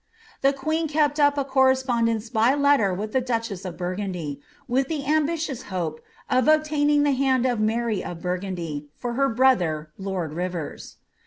The queen kept up a correspondence by letter with the duchess of Burgundy, with the ambitious hope of obtaining the hand of Mary of Burgundy, for her brother, lord Rivers.